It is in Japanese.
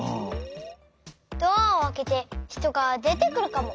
ドアをあけて人がでてくるかも。